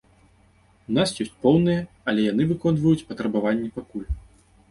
У нас ёсць поўныя, але яны выконваюць патрабаванні пакуль.